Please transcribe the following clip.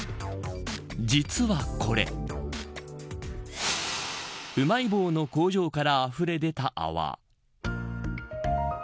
実はこれうまい棒の工場からあふれ出た泡。